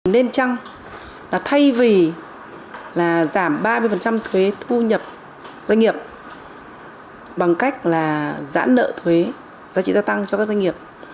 nên trăng là thay vì giảm ba mươi thuế thu nhập doanh nghiệp bằng cách giãn nợ thuế giá trị gia tăng cho các doanh nghiệp